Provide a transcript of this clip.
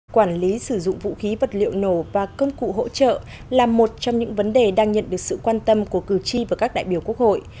quản lý sử dụng vũ khí vật liệu nổ và công cụ hỗ trợ là một trong những vấn đề đang nhận được sự quan tâm của cử tri và các đại biểu quốc hội